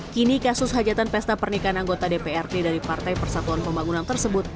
kini kasus hajatan pesta pernikahan anggota dprd dari partai persatuan pembangunan tersebut